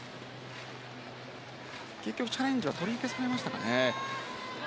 結局チャレンジは取り消されましたかね。